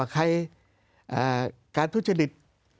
การทุจริต